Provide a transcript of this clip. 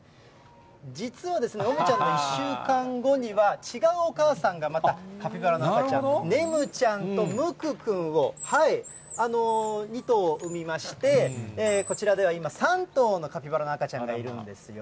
実はモミちゃんの１週間後には、違うお母さんがまたカピバラの赤ちゃん、ネムちゃんとムクくんを、２頭を生みまして、こちらでは今、３頭のカピバラの赤ちゃんがいるんですよ。